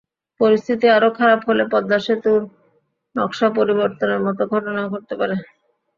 পরিস্থিতি আরও খারাপ হলে পদ্মা সেতুর নকশা পরিবর্তনের মতো ঘটনাও ঘটতে পারে।